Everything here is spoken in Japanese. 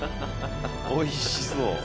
おいしそう。